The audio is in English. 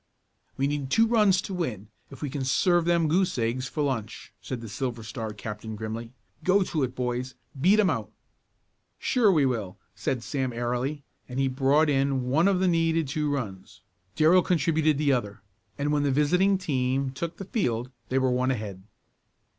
"We need two runs to win, if we can serve them goose eggs for lunch," said the Silver Star captain grimly. "Go to it, boys; beat 'em out." "Sure we will," said Sam airily, and he brought in one of the needed two runs. Darrell contributed the other, and when the visiting team took the field they were one ahead.